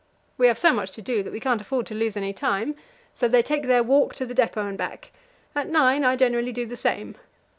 We have so much to do that we can't afford to lose any time. So they take their walk to the depot and back; at nine I generally do the same.